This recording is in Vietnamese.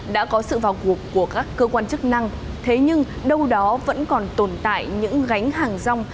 đã có sự vào cuộc của các cơ quan chức năng thế nhưng đâu đó vẫn còn tồn tại những gánh hàng rong